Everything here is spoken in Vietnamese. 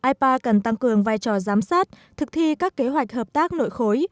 ipa cần tăng cường vai trò giám sát thực thi các kế hoạch hợp tác nội khối